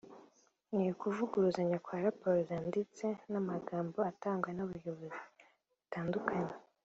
ni ukuvuguruzanya kwa raporo zanditse n’amagambo atangazwa n’abayobozi batandukanye